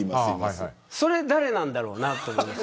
それ誰なんだろうなと思います。